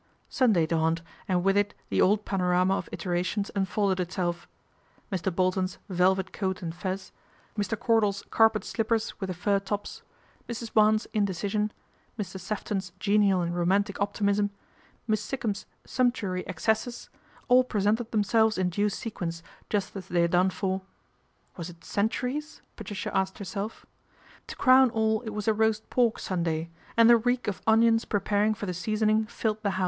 Sunday dawned, and with it the old panorama of iterations unfolded itself : Mr. Bolton's velvet coat and fez, Mr. Cordal's carpet slippers with the fur tops, Mrs. Barnes' indecision, Mr. Sefton's genial and romantic optimism, Miss Sikkum's sumptuary excesses ; all presented themselves in due sequence just as they had done for " was it centuries ?" Patricia asked herself. To crown all it was a roast pork Sunday, and the reek of onions preparing for the seasoning filled the house.